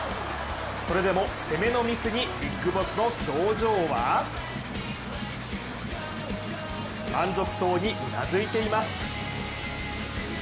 それでも攻めのミスにビッグボスの表情は満足そうにうなずいています。